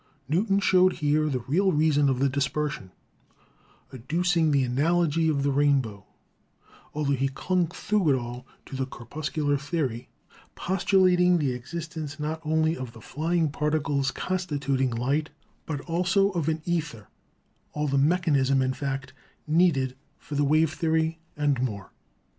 Newton showed here the real reason of the dispersion, adducing the analogy of the rainbow, altho he clung through it all to the corpuscular theory,, postulating the existence not only of the flying particles constituting light, but also of an ether — all the mechanism, in fact, needed for the wave theory, and more.